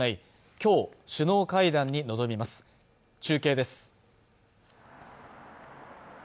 今日首脳会談に臨みます中継です